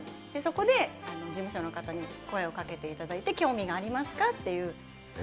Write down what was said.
そこで事務所の方に声をかけていただいて、興味がありますかっていう。